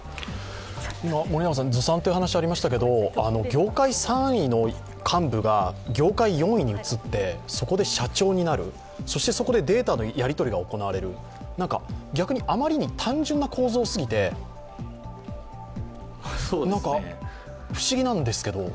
ずさんという話がありましたが、業界３位の幹部が業界４位に移って、そこで社長になるそしてそこでデータのやり取りが行われる、逆に、あまりに単純な構造すぎて、不思議なんですけど。